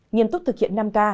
nghiên túc thực hiện năm k